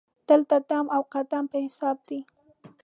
دلته دم او قدم په حساب دی.